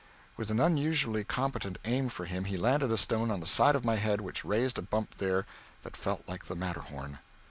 With an unusually competent aim for him, he landed a stone on the side of my head which raised a bump there that felt like the Matterhorn.